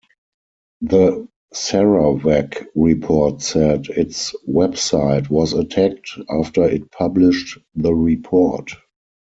The "Sarawak Report" said its website was attacked after it published the report.